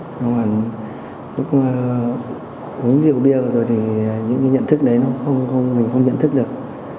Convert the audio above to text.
nói ngoài lúc uống rượu bia rồi thì những nhận thức đấy mình không nhận thức được